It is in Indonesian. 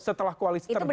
setelah koalisi terbentuk